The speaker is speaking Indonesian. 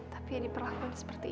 tapi ya diperlakukan seperti itu